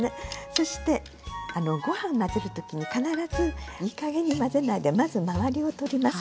そしてご飯混ぜる時に必ずいいかげんに混ぜないでまず周りを取ります。